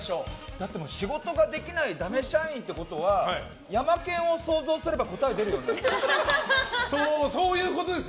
だって仕事ができないダメ社員ってことはヤマケンを想像すれば答え出るよね。